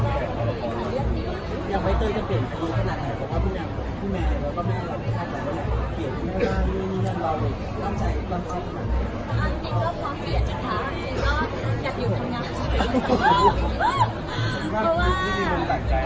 หมายถึงว่าอันดับคุณแรกเพราะว่าใครไม่รู้ว่าผู้หญิงเป็นชาย